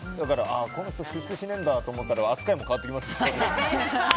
この人、出世しないんだと思うと扱いも変わってきますし。